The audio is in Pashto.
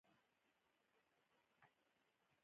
نرمه ی څرګنده ي اوږده ې لکۍ لرونکې ۍ همزه واله ئ